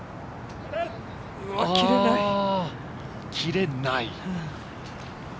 切れない。